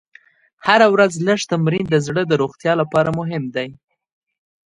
هره ورځ لږ تمرین د زړه د روغتیا لپاره مهم دی.